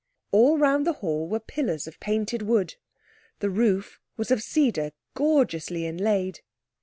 All round the hall were pillars of painted wood. The roof was of cedar, gorgeously inlaid.